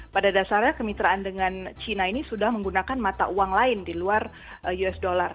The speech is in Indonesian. pada dasarnya kemitraan dengan china ini sudah menggunakan mata uang lain di luar usd